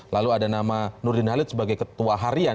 lalu ada nama nurdin halid sebagai ketua harian